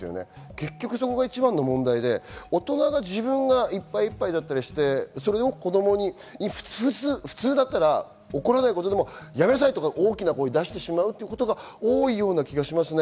結局そこが一番の問題で、大人が自分がいっぱいいっぱいで、普通だったら怒らないことでもやめなさいって大きな声を出してしまうことが多いと思いますね。